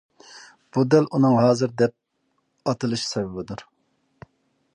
بۇ دەل ئۇنىڭ ھازىر دەپ ئاتىلىش سەۋەبىدۇر.